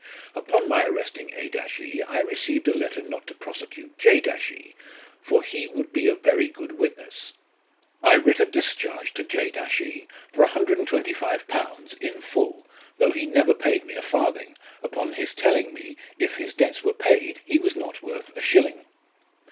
" Upon my arresting A e, I received a letter not to prosecute J e, for he would be a very good witness ; I writ a discharge to J e for 1251. in full, though he never paid me a farthing, upon his telling me if his debts were paid he was not worth a shilling.